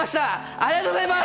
ありがとうございます！